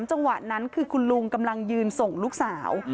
จังหวะนั้นคือคุณลุงกำลังยืนส่งลูกสาว